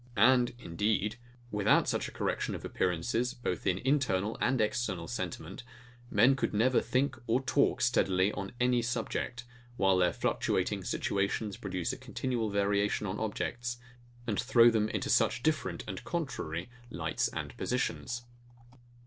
And, indeed, without such a correction of appearances, both in internal and external sentiment, men could never think or talk steadily on any subject; while their fluctuating situations produce a continual variation on objects, and throw them into such different and contrary lights and positions.